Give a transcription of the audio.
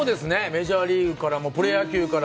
メジャーリーグからプロ野球から。